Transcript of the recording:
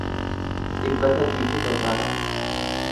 dhibba sadii fi torbaatama